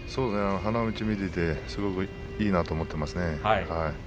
花道で見ていてすごくいいなと思っていますね。